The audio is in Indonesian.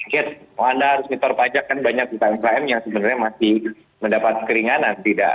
kalau anda harus mitor pajak kan banyak umkm yang sebenarnya masih mendapat keringanan